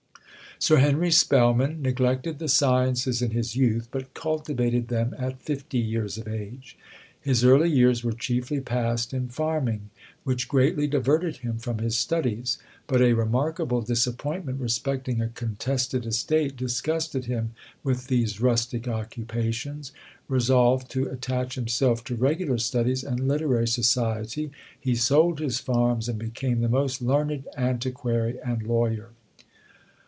Sir Henry Spelman neglected the sciences in his youth, but cultivated them at fifty years of age. His early years were chiefly passed in farming, which greatly diverted him from his studies; but a remarkable disappointment respecting a contested estate disgusted him with these rustic occupations: resolved to attach himself to regular studies, and literary society, he sold his farms, and became the most learned antiquary and lawyer.